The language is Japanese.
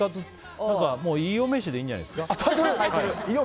もう飯尾飯でいいんじゃないですか。